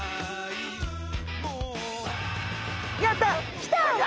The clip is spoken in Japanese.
やったきた！